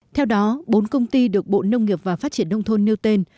theo đó bốn công ty được bộ nông nghiệp và phát triển nông thôn nêu tên